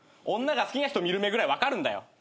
女が好きな人見る目ぐらい分かるんだよ。